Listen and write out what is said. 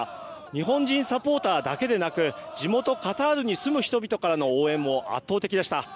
日本人サポーターだけでなく地元カタールに住む人々からの応援も圧倒的でした。